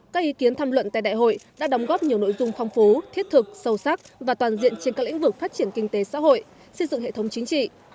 các ý kiến tham luận tại đại hội đã đóng góp nhiều nội dung phong phú thiết thực sâu sắc và toàn diện trên các lĩnh vực phát triển kinh tế xã hội xây dựng hệ thống chính trị